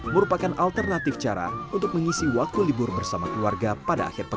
merupakan alternatif cara untuk mengisi waktu libur bersama keluarga pada akhir pekan